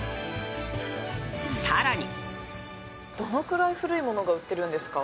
更に。